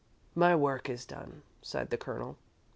"My work is done," sighed the Colonel.